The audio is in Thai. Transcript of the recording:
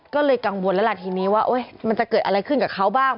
ก็เลยกังวลแล้วล่ะทีนี้ว่ามันจะเกิดอะไรขึ้นกับเขาบ้าง